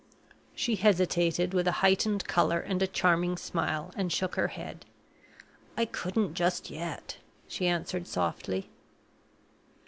She hesitated with a heightened color and a charming smile, and shook her head. "I couldn't just yet," she answered, softly.